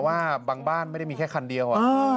ว่าบางบ้านไม่ได้มีแค่คันเดียว